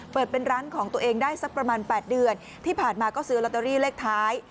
เปิดเป็นร้านของตัวเองได้สักประมาณ๘เดือนที่ผ่านมาก็ซื้อลอตเตอรี่เลขท้าย